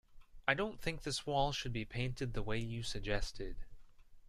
I don't think this wall should be painted the way you suggested.